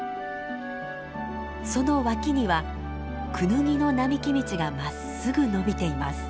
その脇にはクヌギの並木道がまっすぐ延びています。